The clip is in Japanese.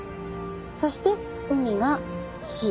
そして「海」が「シー」。